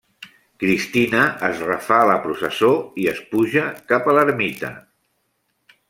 Cristina es refà la processó i es puja cap a l'ermita.